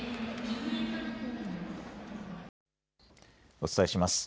お伝えします。